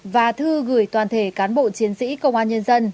và thư gửi toàn thể cán bộ chiến sĩ công an nhân dân